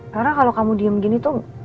karena kalau kamu diem gini tuh